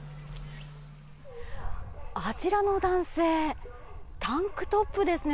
あちらの男性タンクトップですね。